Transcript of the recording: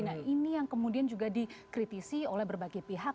nah ini yang kemudian juga dikritisi oleh berbagai pihak